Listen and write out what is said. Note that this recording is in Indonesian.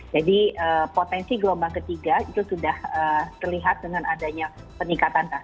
potensi gelombang ketiga itu sudah terlihat dengan adanya peningkatan kasus